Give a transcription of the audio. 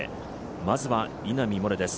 まずは稲見萌寧です。